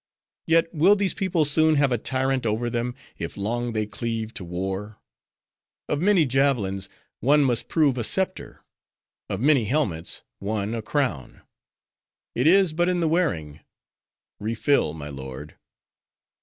Yet will these people soon have a tyrant over them, if long they cleave to war. Of many javelins, one must prove a scepter; of many helmets, one a crown. It is but in the wearing.—Refill, my lord."